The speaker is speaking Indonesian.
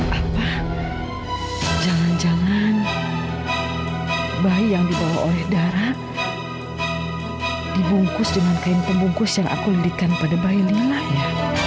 apa jangan jangan bayi yang dibawa oleh darat dibungkus dengan kain pembungkus yang aku lilikan pada bayi lilah ya